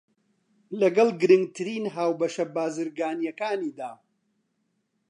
لەگەڵ گرنگترین هاوبەشە بازرگانییەکانیدا